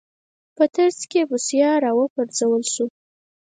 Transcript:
په ترڅ کې یې بوسیا راوپرځول شو.